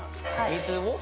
「水を」